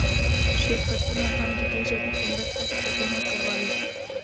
شرکتونه هم د دې ژبې په مرسته حسابونه کول.